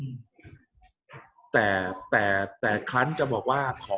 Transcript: กับการสตรีมเมอร์หรือการทำอะไรอย่างเงี้ย